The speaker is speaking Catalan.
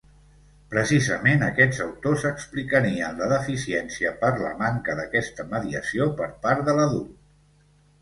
Precisament, aquests autors explicarien la deficiència per la manca d'aquesta mediació per part de l'adult.